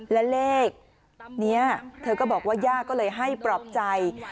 และเลขนี้เธอก็บอกว่าย่าก็เลยให้ปลอบใจ